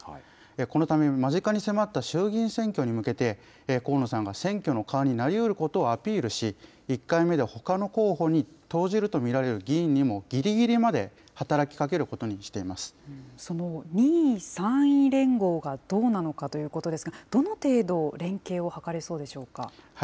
このため、間近に迫った衆議院選挙に向けて、河野さんが選挙の顔になりうることをアピールし、１回目でほかの候補に投じると見られる議員にもぎりぎりまで働きかその２位・３位連合がどうなのかということですが、どの程度、連携を図れそうでしょうか。